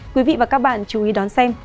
quý vị và các bạn chú ý đón xem